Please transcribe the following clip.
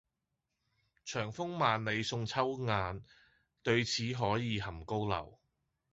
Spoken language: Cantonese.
長風萬里送秋雁，對此可以酣高樓。